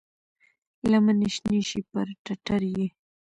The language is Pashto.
لمنې شنې شي پر ټټر یې،